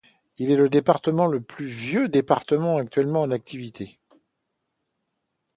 Il est le département le plus vieux département actuellement en activité.